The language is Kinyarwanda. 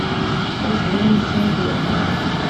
rwose nari nzi icyangiriye akamaro